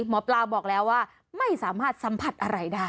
หมอปลาบอกแล้วว่าไม่สามารถสัมผัสอะไรได้